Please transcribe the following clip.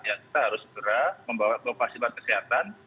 ya kita harus berat membawa ke opasifan kesehatan